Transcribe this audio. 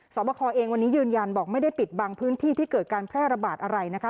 บคอเองวันนี้ยืนยันบอกไม่ได้ปิดบางพื้นที่ที่เกิดการแพร่ระบาดอะไรนะคะ